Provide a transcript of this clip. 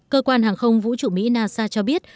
cơ quan hàng không vũ trụ mỹ nasa cho biết